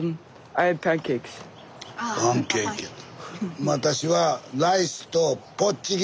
パンケーキやて。